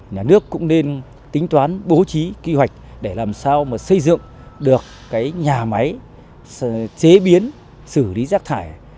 nhà nước cũng nên tính toán bố trí kế hoạch để làm sao mà xây dựng được nhà máy chế biến xử lý rác thải